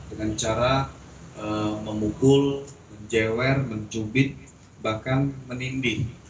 dengan cara memukul menjewer mencubit bahkan menindih